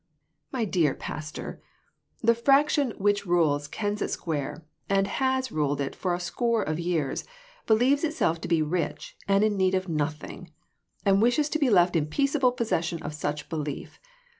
My dear pastor, the fraction which rules Kensett Square, and has ruled it for a score of years, believes itself to be rich, and in need of nothing ; and wishes to be left in peaceable possession of such belief.